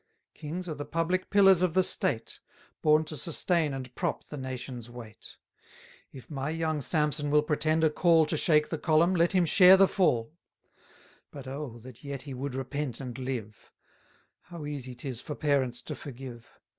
Kings are the public pillars of the state, Born to sustain and prop the nation's weight: If my young Samson will pretend a call To shake the column, let him share the fall: But oh, that yet he would repent and live! How easy 'tis for parents to forgive!